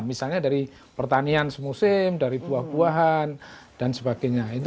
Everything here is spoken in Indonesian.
misalnya dari pertanian semusim dari buah buahan dan sebagainya